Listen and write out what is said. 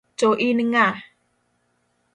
To in ng'a?